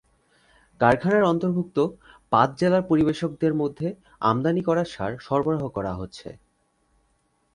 কারখানার অন্তর্ভুক্ত পাঁচ জেলার পরিবেশকদের মধ্যে আমদানি করা সার সরবরাহ করা হচ্ছে।